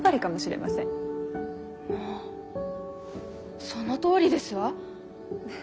まぁそのとおりですわ。